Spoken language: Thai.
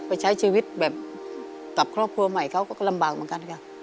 ไปใช้ชีวิตแบบกับครอบครัวใหม่เขาก็ลำบากเหมือนกันค่ะ